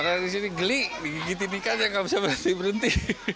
orang di sini geli digigitin ikan ya gak bisa berhenti berhenti